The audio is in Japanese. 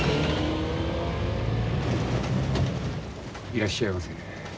いらっしゃいませ。